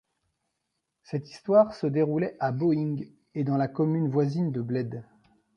Cette histoire se déroulait à Bohing et dans la commune voisine de Bled.